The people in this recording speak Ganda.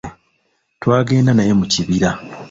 Twagenda naye mu kibira.